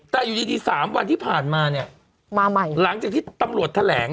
แต่อยู่ดีดีสามวันที่ผ่านมาเนี่ยมาใหม่หลังจากที่ตำรวจแถลง